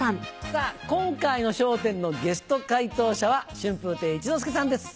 さぁ今回の『笑点』のゲスト回答者は春風亭一之輔さんです。